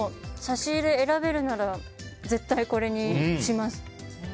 差し入れ、選べるなら絶対これにします。